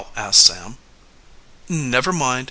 asked Sam. "Never mind.